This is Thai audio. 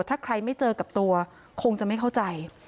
ถ้าใครไม่เจอกับตัวคงจะไม่เข้าใจ